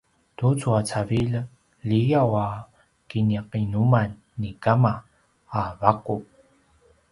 tucu a cavilj liyaw a kiniqinuman ni kama a vaqu